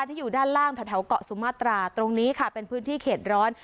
ที่อยู่ด้านล่างแถวเกาะสุมาตราตรงนี้ค่ะเป็นพื้นที่เขตร้อน